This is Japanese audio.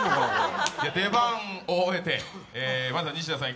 出番、終えてまずは西田さん